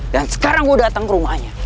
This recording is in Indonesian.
dan sekarang gue datang ke rumahnya